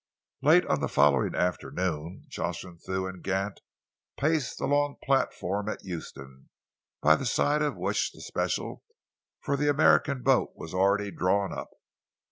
Late on the following afternoon, Jocelyn Thew and Gant paced the long platform at Euston, by the side of which the special for the American boat was already drawn up.